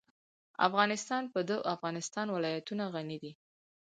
افغانستان په د افغانستان ولايتونه غني دی.